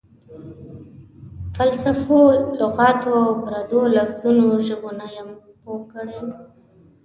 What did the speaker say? فلسفو، لغاتو او پردو لفظونو ژبو نه یم پوه کړی.